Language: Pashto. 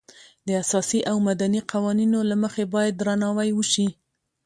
د اساسي او مدني قوانینو له مخې باید درناوی وشي.